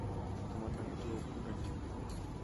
তোমার নাম কি-অপু না কি?